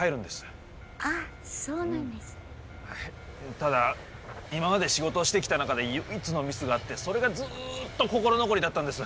ただ今まで仕事をしてきた中で唯一のミスがあってそれがずっと心残りだったんです。